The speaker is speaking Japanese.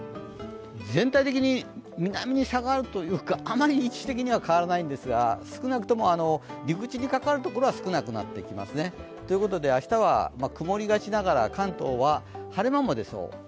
全体的に、南に下がるというかあまり位置的には変わらないんですが少なくとも陸地にかかるところは少なくなってきますね。ということで明日は曇りがちながら、関東は晴れ間も出そう。